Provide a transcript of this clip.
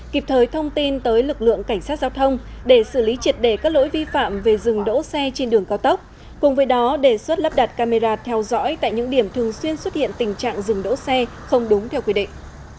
kịp thời thông tin tới lực lượng cảnh sát giao thông để xử lý triệt đề các lỗi vi phạm về dừng đỗ xe trên đường cao tốc cùng với đó đề xuất lắp đặt camera theo dõi tại những điểm thường xuyên xuất hiện tình trạng dừng đỗ xe không đúng theo quy định